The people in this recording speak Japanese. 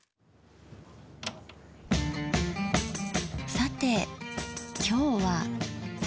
さて今日は。